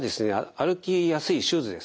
歩きやすいシューズですね